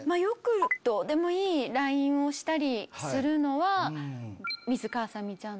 どうでもいいＬＩＮＥをしたりするのは。